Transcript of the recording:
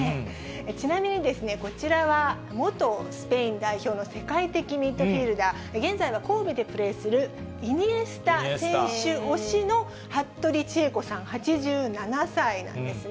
ちなみにですね、こちらは元スペイン代表の世界的ミッドフィールダー、現在は神戸でプレーするイニエスタ選手推しの服部千恵子さん８７歳なんですね。